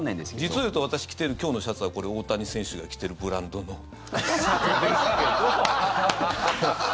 実をいうと私着てる今日のシャツはこれ、大谷選手が着てるブランドのシャツですけど。